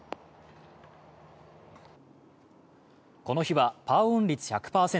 この日は、パーオン率１００％。